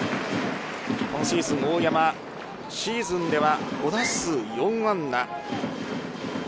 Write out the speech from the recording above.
今シーズン、大山シーズンでは５打数４安打。